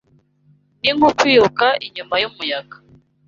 ni nko kwiruka inyuma y’umuyaga